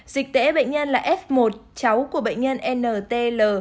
dịch tễ bệnh nhân là f một cháu của bệnh nhân ntl